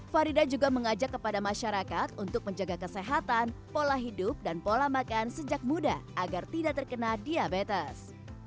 farida juga mengajak kepada masyarakat untuk menjaga kesehatan pola hidup dan pola makan sejak muda agar tidak terkena diabetes